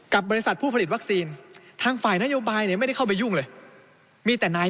บริษัทผู้ผลิตวัคซีนทางฝ่ายนโยบายเนี่ยไม่ได้เข้าไปยุ่งเลยมีแต่นาย